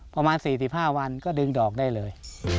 ประมาณ๔๕วันก็ดึงดอกได้เลย